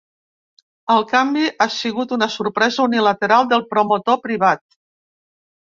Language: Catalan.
El canvi ha sigut una sorpresa unilateral del promotor privat.